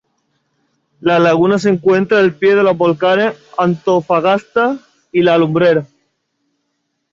La laguna se encuentra al pie de los volcanes Antofagasta y La Alumbrera.